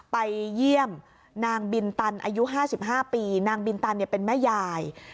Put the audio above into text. ไปเยี่ยมนางบินตันอายุ๕๕ปีนางบินตันเป็นแม่ยาย